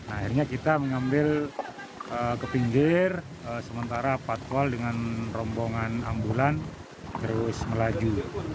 akhirnya kita mengambil ke pinggir sementara patwal dengan rombongan ambulan terus melaju